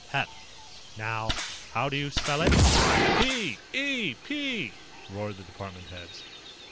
Pep. Now how do you spell it?" "P! E! P!" roared the department heads.